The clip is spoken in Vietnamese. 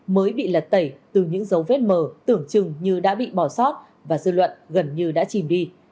mới bị lật tẩy từ những dấu vết mờ tưởng chừng như đã bị bỏ sót và dư luận gần như đã chìm đi